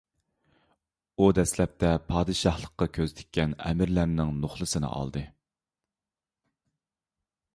ئۇ دەسلەپتە پادىشاھلىققا كۆز تىككەن ئەمىرلەرنىڭ نوخلىسىنى ئالدى.